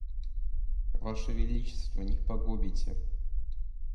Ваше величество не погубите.